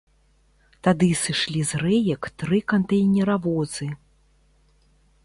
Тады сышлі з рэек тры кантэйнеравозы.